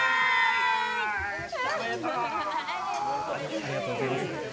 ありがとうございます。